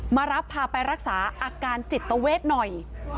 มารับพาไปรักษาอาการจิตเวทหน่อย